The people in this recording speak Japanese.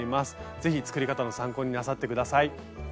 ぜひ作り方の参考になさって下さい。